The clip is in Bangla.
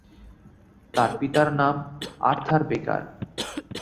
তার পিতার নাম আর্থার বেকার।